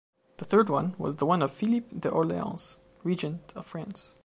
The third one was the one of Philippe d‘Orléans, regent of France.